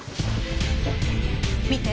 見て。